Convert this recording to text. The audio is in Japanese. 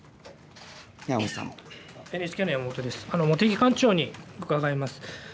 茂木幹事長に伺います。